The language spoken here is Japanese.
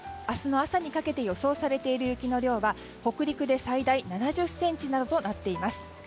明日の朝にかけて予想されている雪の量は北陸で最大７０ｃｍなどとなっています。